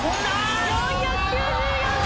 ４９４点。